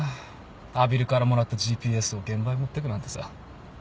阿比留からもらったＧＰＳを現場へ持ってくなんてさ。